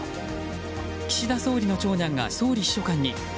岸田総理の長男が総理秘書官に。